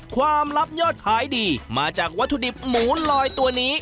ความลับยอดขายดีมาจากวัตถุดิบหมูลอยตัวนี้